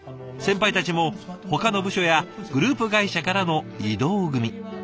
先輩たちもほかの部署やグループ会社からの異動組。